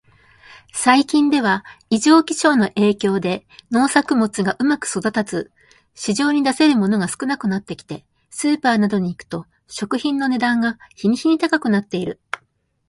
最近では、異常気象の影響で農作物がうまく育たず、市場に出せるものが少なくなってきて、スーパーなどに行くと食品の値段が日に日に高くなっている。